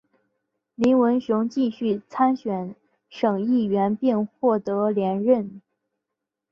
林文雄继续参选省议员并获得连任。